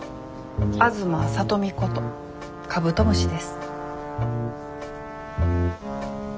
東聡美ことカブトムシです。